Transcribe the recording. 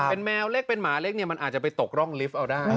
เป็นแมวเล็กเป็นหมาเล็กเนี่ยมันอาจจะไปตกร่องลิฟต์เอาได้